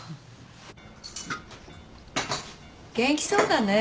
元気そうだね